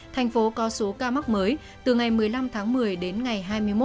tp hcm có số ca mắc mới từ ngày một mươi năm một mươi đến ngày hai mươi một một mươi